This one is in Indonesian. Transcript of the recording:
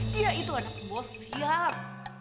dia itu anak bosial